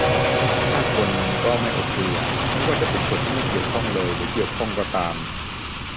ฆ่าคนมันก็ไม่โอเคอะ ไม่ว่าจะเป็นคนที่ไม่เกี่ยวข้องเลยหรือเกี่ยวข้องก็ตาม